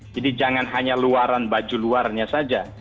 jadi jangan hanya luaran baju luarnya saja